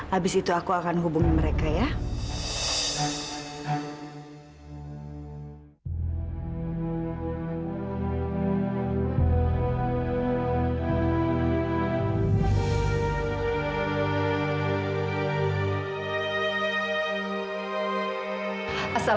habis itu aku akan hubungi mereka ya